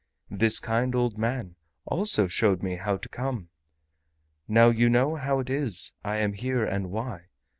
This kind old man also showed me how to come. Now you know how it is I am here and why.